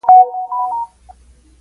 مور او پلار ماشوم په بستره کې اچوي.